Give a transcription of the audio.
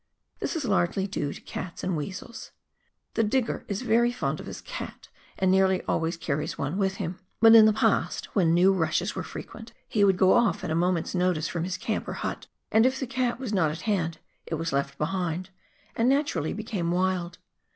This is largely due to cats and weasels. The digger is very fond of his cat, and nearly always carries one with him ; but in the past, when new "rushes" were frequent, he would go off at a moment's notice from his camp or hut, and if the cat was not at hand it was left behind, and naturally became wild.